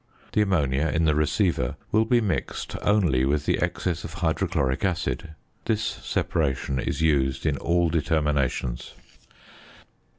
The ammonia in the receiver will be mixed only with the excess of hydrochloric acid. This separation is used in all determinations.